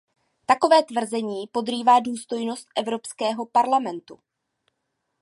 Takové tvrzení podrývá důstojnost Evropského parlamentu.